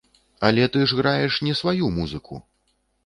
Але ты ж граеш не сваю музыку!